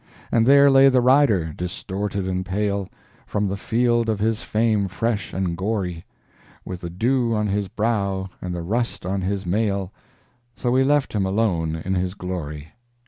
And there lay the rider, distorted and pale, From the field of his fame fresh and gory, With the dew on his brow and the rust on his mail— So we left him alone in his glory!